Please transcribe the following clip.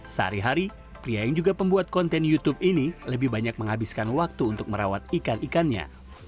sehari hari pria yang juga pembuat konten youtube ini lebih banyak menghabiskan waktu untuk merawat ikan ikannya